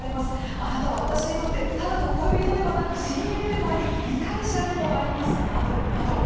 あなたは私にとってただの恋人ではなく親友でもあり理解者でもあります。などなど。